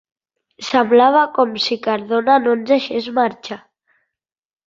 Semblava com si Cardona no ens deixés marxar.